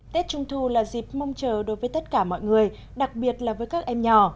tết trung thu là dịp mong chờ đối với tất cả mọi người đặc biệt là với các em nhỏ